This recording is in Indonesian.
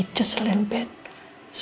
tolong makan saja